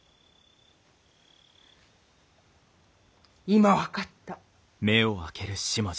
今分かった。